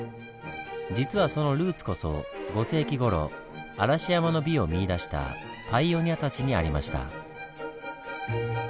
実はそのルーツこそ５世紀ごろ嵐山の美を見いだしたパイオニアたちにありました。